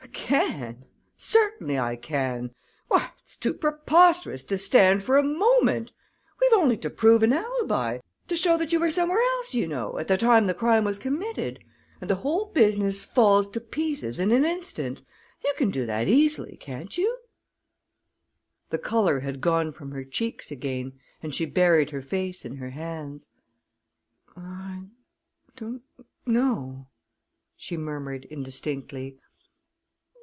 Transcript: "Can! Certainly I can! Why, it's too preposterous to stand for a moment! We've only to prove an alibi to show that you were somewhere else, you know, at the time the crime was committed and the whole business falls to pieces in an instant. You can do that easily, can't you?" The color had gone from her cheeks again, and she buried her face in her hands. "I don't know," she murmured indistinctly.